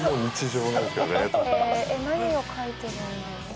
「何を書いてるんだ？」